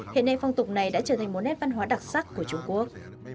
hiện nay phong tục này đã trở thành một nét văn hóa đặc sắc của trung quốc